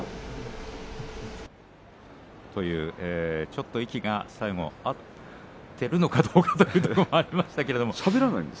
ちょっと息が最後合っているのかどうかというところもありましたが。